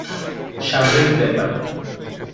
স্বাভাবিক ব্যাপার।